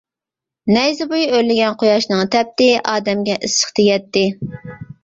نەيزە بويى ئۆرلىگەن قۇياشنىڭ تەپتى ئادەمگە ئىسسىق تېگەتتى.